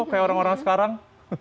kayak orang orang sekarang